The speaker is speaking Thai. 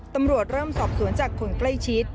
ตำรวจเริ่มสอบสวนจากคนใกล้ชิด